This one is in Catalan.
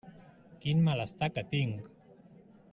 Quin malestar que tinc!